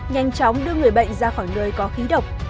nhanh chóng đưa người bệnh ra khỏi nơi có khí độc